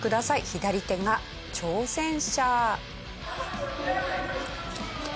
左手が挑戦者。